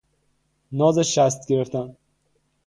نازشست گرفتن